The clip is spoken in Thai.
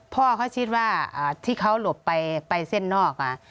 พ่อเขาคิดว่าที่เขาหลบไปเส้นนอก